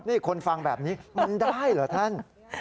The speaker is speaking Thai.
นี่คนฟังแบบนี้มันได้เหรอท่าน